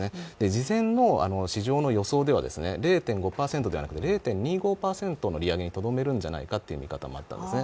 事前の市場の予想では０．５％ではなくて０．２５％の利上げにとどめるんじゃないかという見方があったんですね。